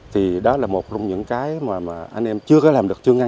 thì đó là một trong những cái mà